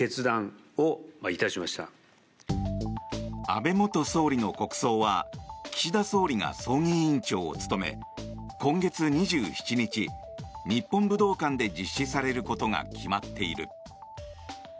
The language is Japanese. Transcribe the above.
安倍元総理の国葬は岸田総理が葬儀委員長を務め今月２７日、日本武道館で実施されることが決まっている。